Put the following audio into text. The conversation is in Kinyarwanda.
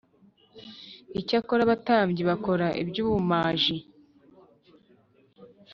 Icyakora abatambyi bakora iby ubumaji